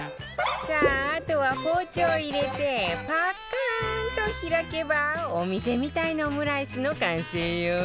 さああとは包丁入れてパッカーンと開けばお店みたいなオムライスの完成よ